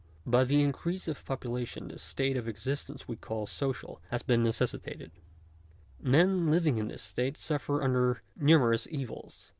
By the increase of population the state of existence we call i social has been necessitated. Men living in this state suffer : under numerous evils.